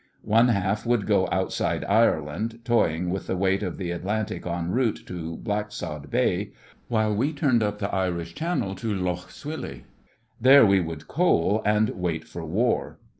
One half would go outside Ireland, toying with the weight of the Atlantic en route, to Blacksod Bay, while we turned up the Irish Channel to Lough Swilly. There we would coal, and wait for War.